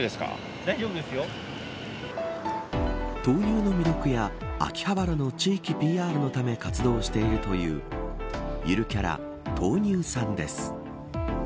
豆乳の魅力や秋葉原の地域ＰＲのために活動しているというゆるキャラ、豆乳さんです。